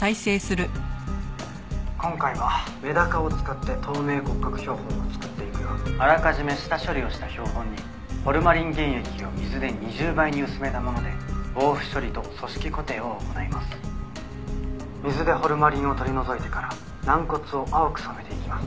「今回はメダカを使って透明骨格標本を作っていくよ」「あらかじめ下処理をした標本にホルマリン原液を水で２０倍に薄めたもので防腐処理と組織固定を行います」「水でホルマリンを取り除いてから軟骨を青く染めていきます」